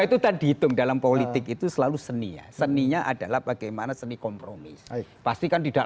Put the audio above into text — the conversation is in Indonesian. itu tadi hitung dalam politik itu selalu seni ya seninya adalah bagaimana seni kompromis pastikan tidak